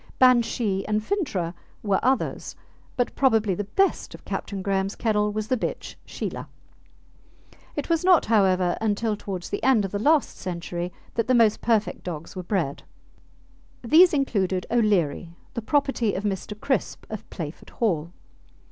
Banshee and Fintragh were others, but probably the best of Captain Graham's kennel was the bitch Sheelah. It was not, however, until towards the end of the last century that the most perfect dogs were bred. These included O'Leary, the property of Mr. Crisp, of Playford Hall.